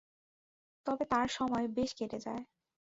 তবে তার সময় বেশ কেটে যায়।